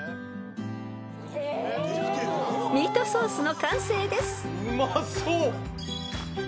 ［ミートソースの完成です］